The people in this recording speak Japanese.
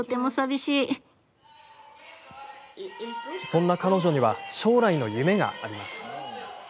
そんな彼女には将来の夢があります。